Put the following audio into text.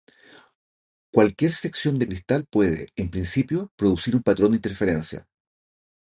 Cualquier sección de cristal puede, en principio, producir un patrón de interferencia.